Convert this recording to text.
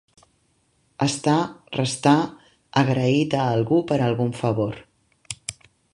Estar, restar, agraït a algú per algun favor.